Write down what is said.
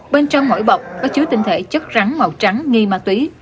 bên trong mỗi bọc có chứa tinh thể chất rắn màu trắng nghi ma túy